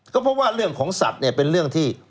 ก็เพราะว่าเรื่องของสัตว์เนี่ยเป็นเรื่องที่